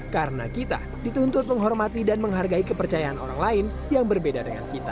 karena kita dituntut menghormati dan menghargai kepercayaan orang lain yang berbeda dengan kita